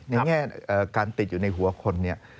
ในแง่การติดอยู่ในหัวคน